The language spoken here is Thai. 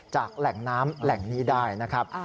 แหล่งน้ำแหล่งนี้ได้นะครับ